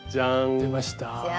出ました。